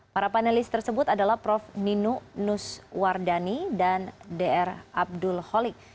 para panelis tersebut adalah prof nino nuswardani dan dr abdul holik